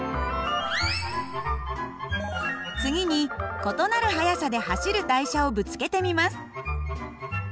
次に異なる速さで走る台車をぶつけてみます。